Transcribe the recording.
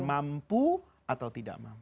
mampu atau tidak mampu